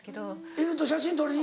犬と写真撮りに。